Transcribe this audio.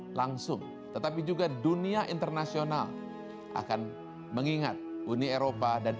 tidak langsung tetapi juga dunia internasional akan mengingat uni eropa dan